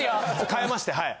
変えましてはい。